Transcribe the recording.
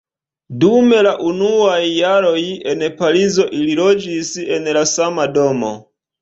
Dum la unuaj jaroj en Parizo ili loĝis en la sama domo.